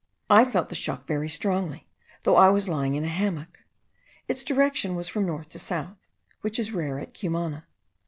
I felt the shock very strongly, though I was lying in a hammock. Its direction was from north to south, which is rare at Cumana.